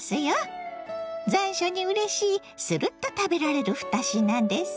残暑にうれしいするっと食べられる２品です。